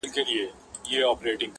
زه دي يو ځلي پر ژبه مچومه-